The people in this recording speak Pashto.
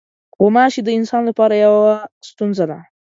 غوماشې د انسان لپاره یوه ستونزه ده.